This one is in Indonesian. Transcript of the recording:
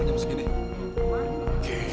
mama mama jangan ingat